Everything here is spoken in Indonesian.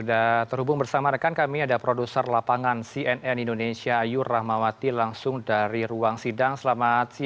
atau jaksa penonton umum kepada lin chewei